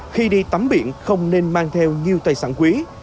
khi đi tắm biển không nên mang theo nhiều tài sản quý